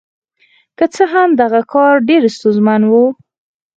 که څه هم دغه کار ډېر ستونزمن و.